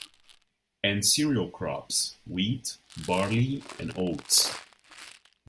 And cereal crops: wheat, barley and oats.